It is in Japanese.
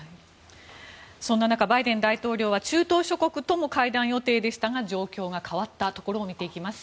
そんな中バイデン大統領は中東諸国とも会談予定でしたが状況が変わったところを見ていきます。